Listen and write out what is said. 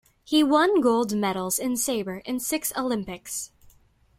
He won gold medals in sabre in six Olympics.